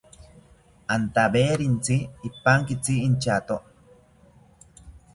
Antawerintzi ipankitzi inchato